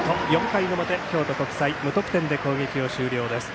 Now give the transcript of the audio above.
４回の表、京都国際、無得点で攻撃を終了です。